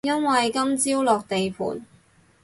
因為今朝落地盤